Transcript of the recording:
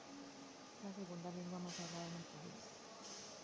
Es la segunda lengua más hablada en el país.